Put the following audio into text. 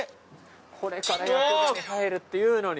これから役場に入るっていうのに。